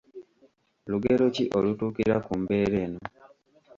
Lugero ki olutuukira ku mbeera eno?